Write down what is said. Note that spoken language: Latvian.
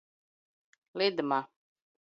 Lidma